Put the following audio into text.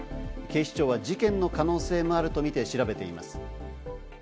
警視庁は事件の可能性もあるとみて調べています。